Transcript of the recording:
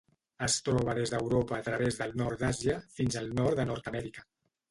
Es troba des d'Europa a través del nord d'Àsia fins al nord de Nord-amèrica.